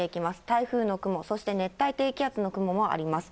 台風の雲、そして熱帯低気圧の雲もあります。